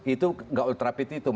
itu gak ultra petitum